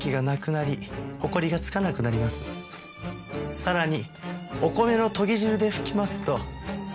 さらに。